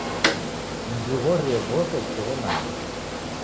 Mw'ighorie w'ose w'isaw'emanya.